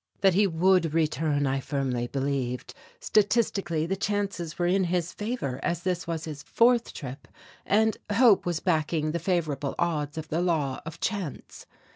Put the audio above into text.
That he would return I firmly believed; statistically the chances were in his favour as this was his fourth trip, and hope was backing the favourable odds of the law of chance.